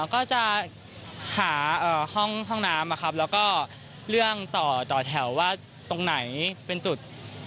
ก็จะหาห้องน้ำแล้วก็เรื่องต่อแถวว่าตรงไหนเป็นจุด